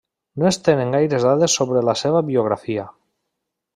No es tenen gaires dades sobre la seva biografia.